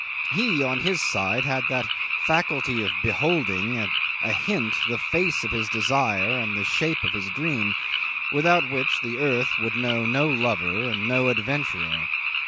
He, on his side, had that faculty of beholding at a hint the face of his desire and the shape of his dream, without which the earth would know no lover and no adventurer.